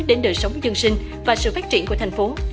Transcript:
đến đời sống dân sinh và sự phát triển của thành phố